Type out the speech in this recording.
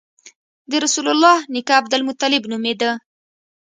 د رسول الله نیکه عبدالمطلب نومېده.